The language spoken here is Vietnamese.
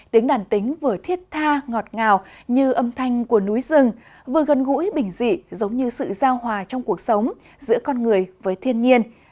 tính đàn tính vừa thiết tha ngọt ngào như âm thanh của núi rừng vừa gần gũi bình dị giống như sự giao hòa trong cuộc sống giữa con người với thiên nhiên